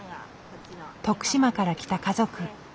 徳島から来た家族。